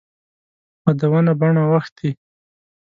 مدونه بڼه وښتي.